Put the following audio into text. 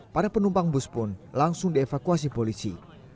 para penumpang bus pun langsung dievakuasi polisi